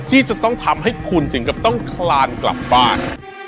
ที่จะต้องทำให้คุณถึงกับต้องคลานกลับบ้าน